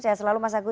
saya selalu mas agus